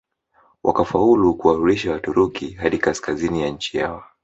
Wakafaulu kuwarudisha Waturuki hadi kaskazini ya nchi yao